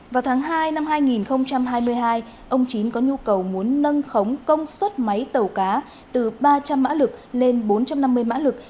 vào tháng hai năm hai nghìn hai mươi hai ông chín có nhu cầu muốn nâng khống công suất máy tàu cá từ ba trăm linh mã lực lên bốn trăm năm mươi mã lực